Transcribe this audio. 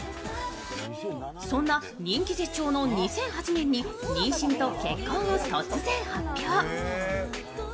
そんな人気絶頂の２００８年に妊娠と結婚を同時に発表。